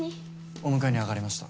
お迎えに上がりました。